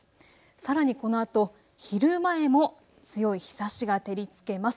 さらにこのあと昼前も強い日ざしが照りつけます。